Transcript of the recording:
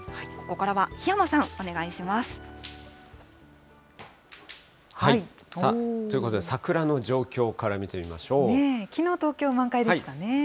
ここからは檜山さん、お願いしまということで、桜の状況からきのう、東京、満開でしたね。